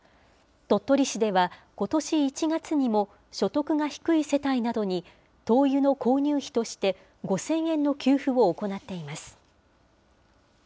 鳥取市では、ことし１月にも、所得が低い世帯などに、灯油の購入費として、５０００円の給付を行っています。